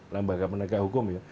lembaga penegak hukum ya